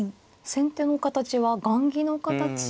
先手の形は雁木の形。